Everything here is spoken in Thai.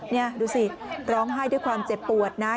นี่ดูสิร้องไห้ด้วยความเจ็บปวดนะ